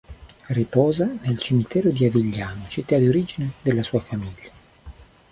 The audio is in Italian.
Riposa nel cimitero di Avigliano, città d'origine della sua famiglia.